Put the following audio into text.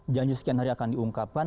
janji sekian hari akan diungkapkan